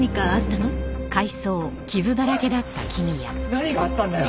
何があったんだよ？